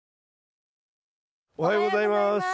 おはようございます。